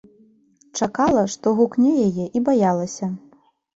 Чакала, што гукне яе, і баялася.